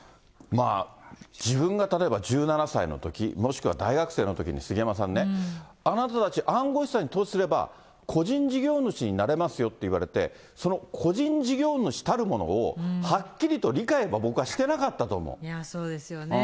まあ自分が例えば１７歳のとき、もしくは大学生のときに杉山さんね、あなたたち暗号資産に投資すれば、個人事業主になれますよと言われて、その個人事業主たるものを、はっきりと理解、いや、そうですよね。